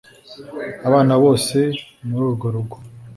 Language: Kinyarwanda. abana bose muri urwo rugo